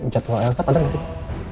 catwa elsa padat gak sih